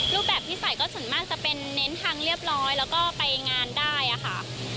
รูปแบบที่ใส่ก็ส่วนมากจะเป็นเน้นทางเรียบร้อยแล้วก็ไปงานได้ค่ะ